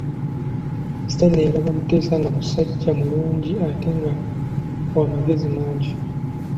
Stanley yalaba Mutesa nga musajja mulungi ate nga wa magezi mangi.